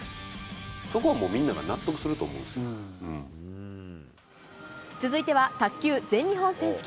そこはもうみんなが納得する続いては卓球全日本選手権。